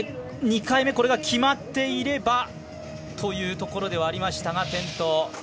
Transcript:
２回目、これが決まっていればというところではありましたが転倒。